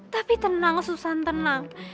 tapi tenang susan tenang